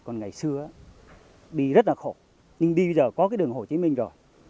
còn ngày xưa đi rất là khổ nhưng đi bây giờ có cái đường hồ chí minh rồi